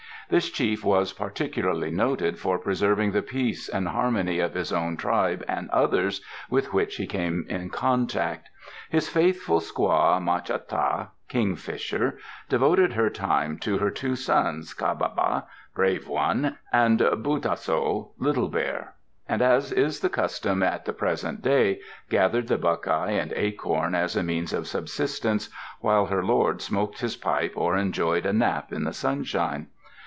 This Chief was particularly noted for preserving the peace and harmony of his own tribe and others with which he came in contact. His faithful squaw Ma cha ta (Kingfisher) devoted her time to her two sons, Ca ba ba (Brave one) and Bu tah so (Little Bear); and as is the custom at the present day, gathered the buckeye and acorn, as a means of subsistence, while her lord smoked his pipe or enjoyed a nap in the sunshine.